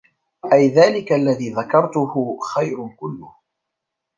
أَيْ ذَلِكَ الَّذِي ذَكَرْتُهُ خَيْرٌ كُلُّهُ